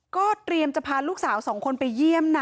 ก็เตรียมจะพาลูกสาวสองคนไปเยี่ยมนะ